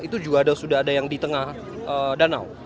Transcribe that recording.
itu juga sudah ada yang di tengah danau